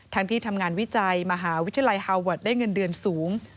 ที่ทำงานวิจัยมหาวิทยาลัยฮาเวิร์ดได้เงินเดือนสูง